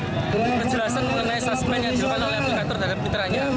untuk menjelaskan mengenai suspensi yang dilakukan oleh aplikator dan mitranya